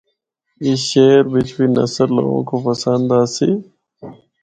اس شہر بچ بھی نثر لوگاں کو پسند آسی۔